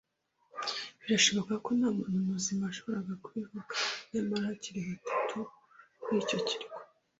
birashoboka ko ntamuntu muzima washoboraga kubivuga. Nyamara hakiri batatu kuri icyo kirwa -